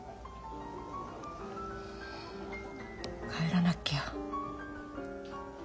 帰らなきゃ。